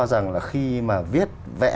rằng là khi mà viết vẽ